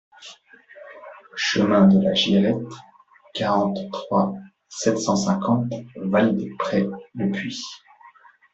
Chemin de la Girette, quarante-trois, sept cent cinquante Vals-près-le-Puy